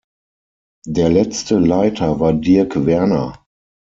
Der letzte Leiter war Dirk Werner.